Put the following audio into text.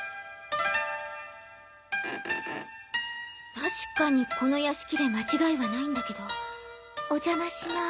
確かにこの屋敷で間違いはないんだけどお邪魔します